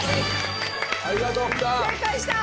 ありがとう福田。